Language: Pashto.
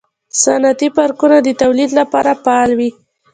صنعتي پارکونه د تولید لپاره فعال وي.